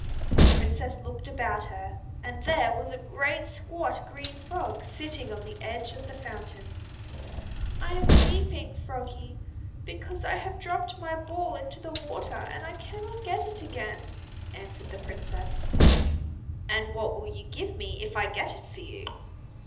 The Princess looked about her, and there was a great squat green frog sitting on the edge of the fountain. "I am weeping, Froggie, because I have dropped my ball into the water and I cannot get it again," answered the Princess. "And what will you give me if I get it for you?"